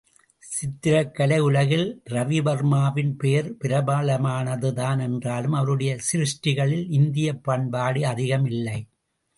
சித்திரக் கலை உலகில் ரவிவர்மாவின் பெயர் பிரபலமானதுதான் என்றாலும் அவருடைய சிருஷ்டிகளில் இந்தியப் பண்பாடு அதிகம் இல்லை.